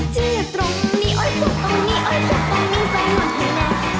เจ็บตรงนี้โอ๊ยเจ็บตรงนี้โอ๊ยเจ็บตรงนี้ใส่หนวดให้แน่